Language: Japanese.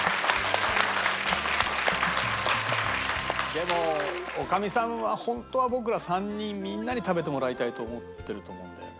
でも女将さんはホントは僕ら３人みんなに食べてもらいたいと思ってると思うんだよね。